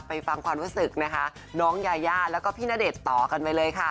ฟังความรู้สึกนะคะน้องยายาแล้วก็พี่ณเดชน์ต่อกันไปเลยค่ะ